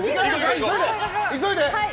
急いで！